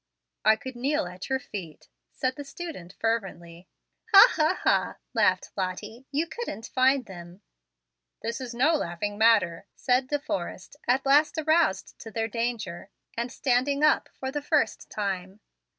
"I could kneel at your feet," said the student, fervently. "Ha, ha, ha," laughed Lottie. "You couldn't find them." "This is no laughing matter," said De Forrest, at last aroused to their danger, and standing up for the first time.